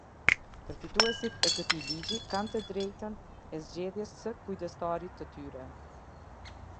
Përfituesit e këtij ligji kanë të drejtën e zgjedhjes së kujdestarit të tyre.